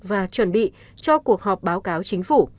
và chuẩn bị cho cuộc họp báo cáo chính phủ